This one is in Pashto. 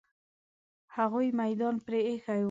هغوی میدان پرې ایښی وو.